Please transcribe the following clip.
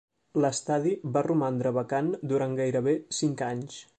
L'estadi va romandre vacant durant gairebé cinc anys.